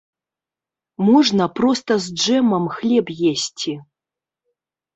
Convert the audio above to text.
Можна проста з джэмам хлеб есці.